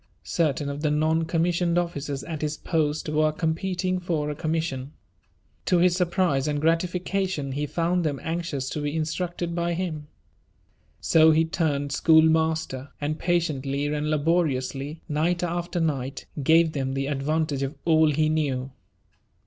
Certain of the non commissioned officers at his post were competing for a commission. To his surprise and gratification, he found them anxious to be instructed by him. So he turned schoolmaster, and patiently and laboriously, night after night, gave them the advantage of all he knew.